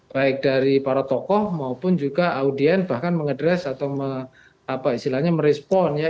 baik dari para tokoh maupun juga audien bahkan mengedres atau merespon ya